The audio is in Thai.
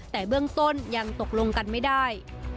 แต่เบื้องต้นยังตกลงกันไม่ได้